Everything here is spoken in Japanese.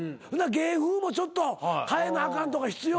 芸風もちょっと変えなあかんとか必要。